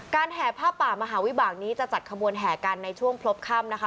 แห่ผ้าป่ามหาวิบากนี้จะจัดขบวนแห่กันในช่วงพบค่ำนะคะ